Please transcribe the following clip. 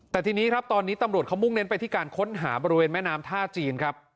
แต่ทีนี้ครับตอนนี้ตำรวจเขามุ่งเน้นไปที่การค้นหาบริเวณแม่น้ำท่าจีนครับ